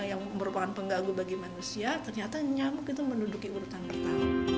yang merupakan penggaguh bagi manusia ternyata nyamuk itu menuduki urutan bertahun